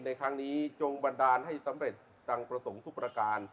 ในครั้งนี้จงบันดาลให้สำเร็จจังประสงค์ทุกประการ